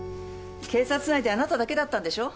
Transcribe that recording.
警察内であなただけだったんでしょ？